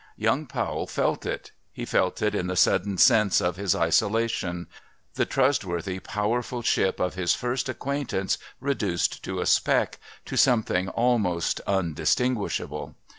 Young Powell felt it. He felt it in the sudden sense of his isolation; the trustworthy, powerful ship of his first acquaintance reduced to a speck, to something almost undistinguishable.